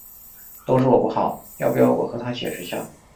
都是我不好，要不要我和她解释下？